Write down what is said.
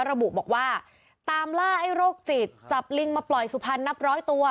ระบุบอกว่าตามล่าไอ้โรคจิตจับลิงมาปล่อยสุพรรณนับร้อยตัว